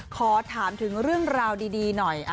ขอถามถึงเรื่องราวดีหน่อย